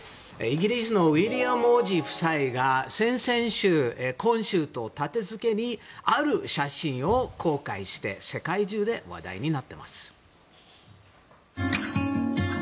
イギリスのウィリアム王子夫妻が先々週、今週と立て続けにある写真を公開して世界中で話題になっています。